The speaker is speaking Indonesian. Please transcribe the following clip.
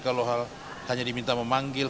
kalau hanya diminta memanggil